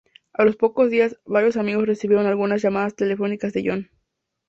A los pocos días, varios amigos recibieron algunas llamadas telefónicas de Jon.